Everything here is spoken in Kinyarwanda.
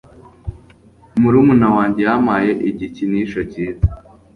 Murumuna wanjye yampaye igikinisho cyiza.